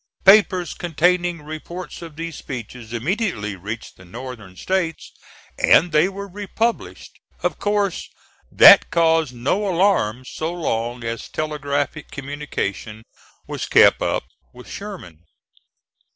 Papers containing reports of these speeches immediately reached the Northern States, and they were republished. Of course, that caused no alarm so long as telegraphic communication was kept up with Sherman.